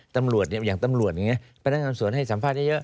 ตำรวจเนี่ยอย่างตำรวจอย่างนี้